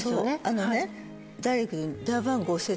あのね。